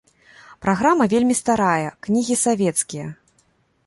Праграма вельмі старая, кнігі савецкія.